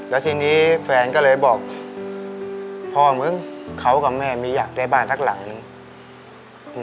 แล้วทีนี้แฟนก็เลยบอกพ่อมึงเขากับแม่ไม่อยากได้บ้านสักหลังนึง